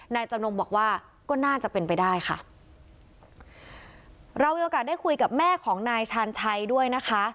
นายจำนงบอกว่าก็น่าจะเป็นไปได้ค่ะเรามีโอกาสได้คุยกับแม่ของนายชาญชัยด้วยนะคะ